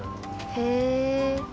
へえ！